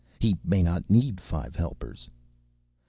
He may not need five helpers.